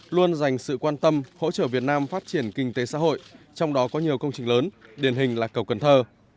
luôn dành sự quan tâm hỗ trợ việt nam phát triển kinh tế xã hội trong đó có nhiều công trình lớn điển hình là cầu cần thơ